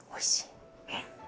えっ？